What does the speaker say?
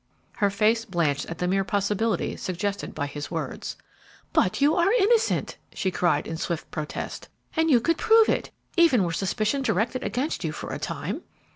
Her face blanched at the mere possibility suggested by his words. "But you are innocent!" she cried in swift protest, "and you could prove it, even were suspicion directed against you for a time."